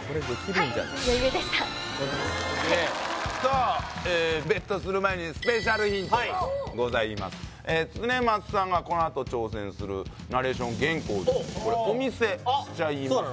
さあＢＥＴする前にスペシャルヒントがございます恒松さんがこのあとこれお見せしちゃいます